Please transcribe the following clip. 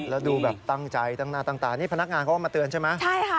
แล้วดูตั้งใจต่างนี่พนักงานเขาก็มาเตือนใช่ไหม